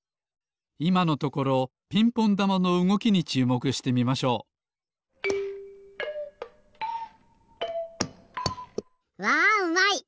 いまのところピンポンだまのうごきにちゅうもくしてみましょうわうまい！